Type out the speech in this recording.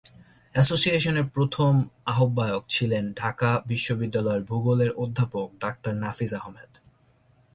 এসোসিয়েশনের প্রথম আহ্বায়ক ছিলেন ঢাকা বিশ্ববিদ্যালয়ের ভূগোলের অধ্যাপক ডাক্তার নাফিস আহমেদ।